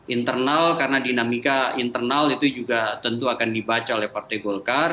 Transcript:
internal karena dinamika internal itu juga tentu akan dibaca oleh partai golkar